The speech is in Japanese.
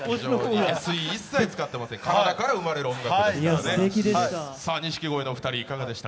一切のＳＥありません、体から生まれる音楽ですからね。